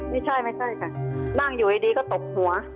ไม่ใช่ไม่ใช่ค่ะนั่งอยู่ดีก็ตบหัว